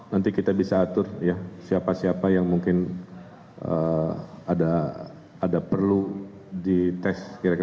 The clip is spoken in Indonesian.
nanti kita bisa atur ya siapa siapa yang mungkin ada perlu dites kira kira